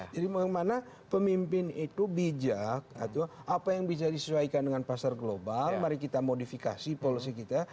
jadi bagaimana pemimpin itu bijak atau apa yang bisa disesuaikan dengan pasar global mari kita modifikasi polisi kita